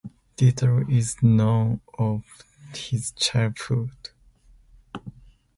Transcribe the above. Little is known of his childhood.